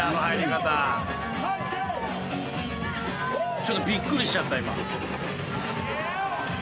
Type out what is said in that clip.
ちょっとびっくりしちゃった今。